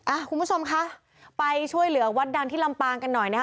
คุณผู้ชมคะไปช่วยเหลือวัดดังที่ลำปางกันหน่อยนะคะ